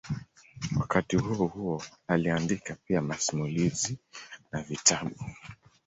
Wakati huohuo aliandika pia masimulizi na vitabu.